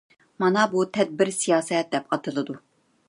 مانا بۇ تەدبىر سىياسەت دەپ ئاتىلىدۇ.